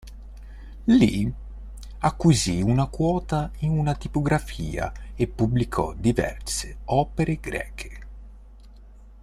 Lì acquisì una quota in una tipografia e pubblicò diverse opere greche.